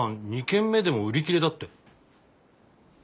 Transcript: ２軒目でも売り切れだって。